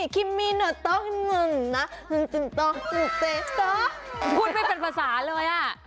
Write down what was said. พูดไม่เป็นภาษาเลยอ่ะ